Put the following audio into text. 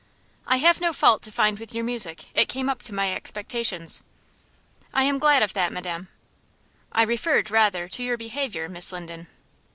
"I have no fault to find with your music. It came up to my expectations." "I am glad of that, madam." "I referred, rather, to your behavior, Miss Linden."